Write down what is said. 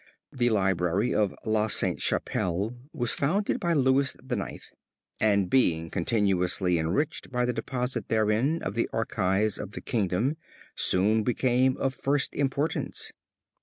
The library of La St. Chapelle was founded by Louis IX, and being continuously enriched by the deposit therein of the archives of the kingdom soon became of first importance.